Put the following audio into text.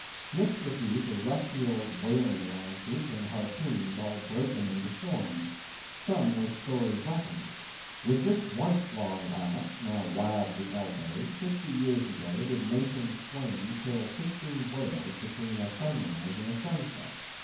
Mixed with these were rusty old whaling lances and harpoons all broken and deformed. Some were storied weapons. With this once long lance, now wildly elbowed, fifty years ago did Nathan Swain kill fifteen whales between a sunrise and a sunset.